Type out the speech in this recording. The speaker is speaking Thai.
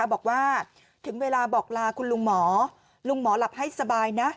บอกว่าถึงเวลาบอกลาคุณลุงหมอลุงหมอหลับให้สบายนะ